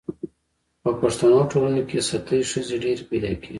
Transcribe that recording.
په پښتنو ټولنو کي ستۍ ښځي ډیري پیدا کیږي